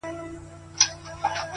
بابولاله ـ